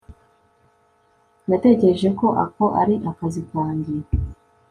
natekereje ko ako ari akazi kanjye